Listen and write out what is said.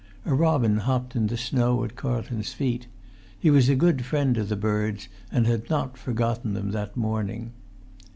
A robin hopped in the snow at Carlton's feet; he was a good friend to the birds, and had not forgotten them that morning.